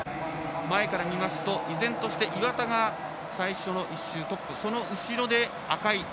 前から見ますと依然として岩田が最初の１周でトップその後ろ、赤井。